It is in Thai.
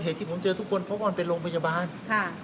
ที่ผมเจอทุกคนเพราะว่ามันเป็นโรงพยาบาลค่ะ